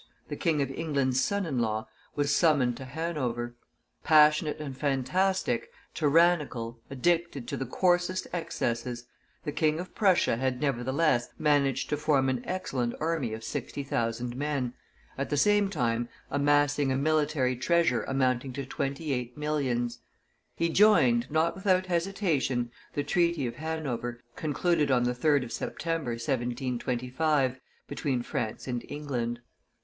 the King of England's son in law, was summoned to Hanover. Passionate and fantastic, tyrannical, addicted to the coarsest excesses, the King of Prussia had, nevertheless, managed to form an excellent army of sixty thousand men, at the same time amassing a military treasure amounting to twenty eight millions; he joined, not without hesitation, the treaty of Hanover, concluded on the 3d of September, 1725, between France and England.